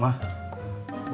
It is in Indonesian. yaudah bob ma